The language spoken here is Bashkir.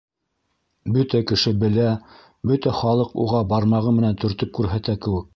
Бөтә кеше белә, бөтә халыҡ уға бармағы менән төртөп күрһәтә кеүек.